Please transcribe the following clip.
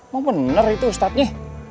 mau bener bener itu ustadznya